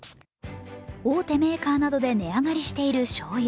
大手メーカーなどで値上がりしているしょうゆ。